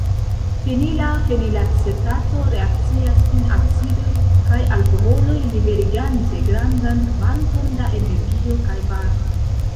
Fenila fenilacetato reakcias kun acidoj kaj alkoholoj liberigante grandan kvanton da energio kaj varmo.